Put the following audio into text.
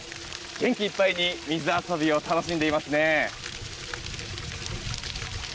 元気いっぱいに水遊びを楽しんでいますね。